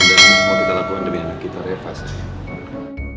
dan semua kita lakuin demi anak kita reva sayang